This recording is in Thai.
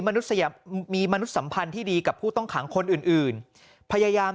มีมนุษย์สัมพันธ์ที่ดีกับผู้ต้องขังคนอื่นอื่นพยายาม